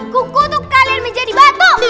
kukutuk kalian menjadi batu